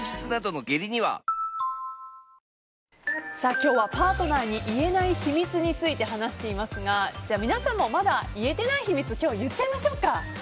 今日はパートナーに言えない秘密について話していますが、皆さんもまだ言えてない秘密を今日言っちゃいましょうか！